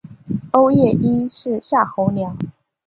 欧夜鹰是夏候鸟。